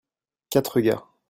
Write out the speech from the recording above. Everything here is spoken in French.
quatre gars.